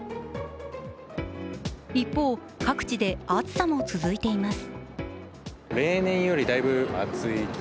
一方、各地で暑さも続いています。